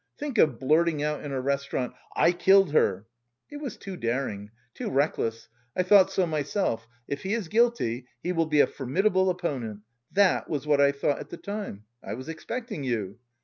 Think of blurting out in a restaurant 'I killed her.' It was too daring, too reckless. I thought so myself, if he is guilty he will be a formidable opponent. That was what I thought at the time. I was expecting you.